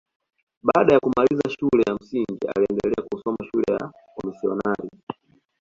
Baada ya kumaliza shule ya msingi aliendelea kusoma shule ya wamisionari